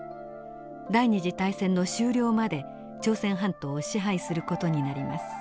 第二次大戦の終了まで朝鮮半島を支配する事になります。